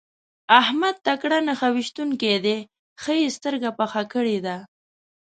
احمد تکړه نښه ويشتونکی دی؛ ښه يې سترګه پخه کړې ده.